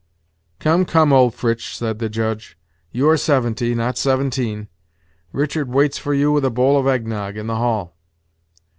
"Come, come, old Fritz," said the Judge; "you are seventy, not seventeen; Richard waits for you with a bowl of eggnog, in the hall."